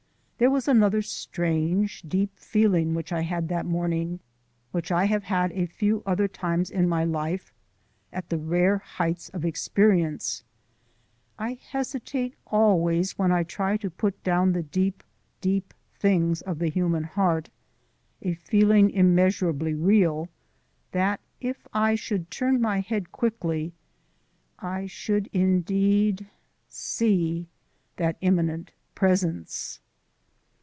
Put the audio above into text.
There was another strange, deep feeling which I had that morning, which I have had a few other times in my life at the rare heights of experience I hesitate always when I try to put down the deep, deep things of the human heart a feeling immeasurably real, that if I should turn my head quickly I should indeed SEE that Immanent Presence....